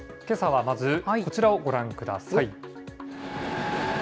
けさはまず、こちらをご覧ください。